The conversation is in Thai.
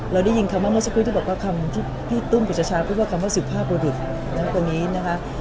เราได้ยินคำว่าเมื่อสักครู่ที่บอกว่าคำที่พี่ตุ้มปริชชาพูดว่าคำว่าสุภาพประดุษย์นะคะ